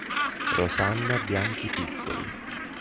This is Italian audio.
Rosanna Bianchi Piccoli